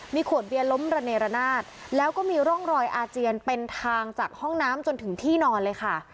มีขวดเบียร์ล้มระเนรนาศแล้วก็มีร่องรอยอาเจียนเป็นทางจากห้องน้ำจนถึงที่นอนเลยค่ะ